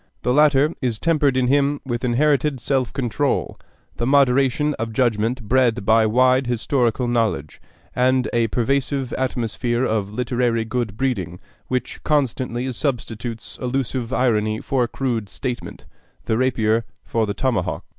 The latter is tempered in him with inherited self control, the moderation of judgment bred by wide historical knowledge, and a pervasive atmosphere of literary good breeding which constantly substitutes allusive irony for crude statement, the rapier for the tomahawk.